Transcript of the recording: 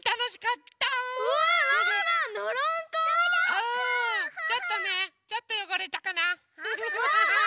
うんちょっとねちょっとよごれたかなフフフフフ！